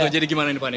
jadi gimana ini pak